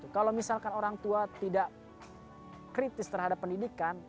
kalau misalkan orang tua tidak kritis terhadap pendidikan